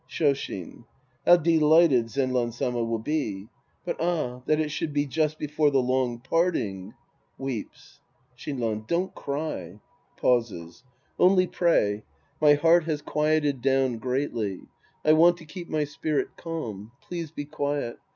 Shoshin. How delighted Zenran Sama will be! But, ah, that it should be just before the long parting ! {Weeps^ Shinran. Don't cry. (Pauses.) Only pray. My heart has quieted down greatly. I want to keep my spirit calm. Please be quiet.